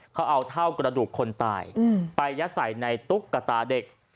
เขาเอาเท่ากระดูกคนตายไปยัดใส่ในตุ๊กตาเด็ก